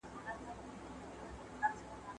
موږ په کور کښي حساب کوو.